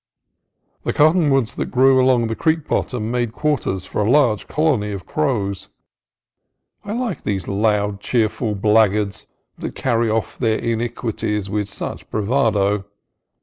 The cottonwoods that grew along the creek bot tom made quarters for a large colony of crows. I CAMP ON THE SAN ANTONIO 131 like these loud, cheerful blackguards that carry off their iniquities with such bravado.